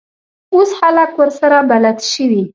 اوس خلک ورسره بلد شوي.